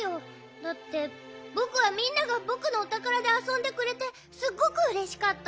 だってぼくはみんながぼくのおたからであそんでくれてすっごくうれしかった。